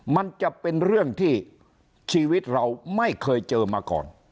มันจะเป็นเรื่องที่ชีวิตเราไม่เคยเจอมาก่อน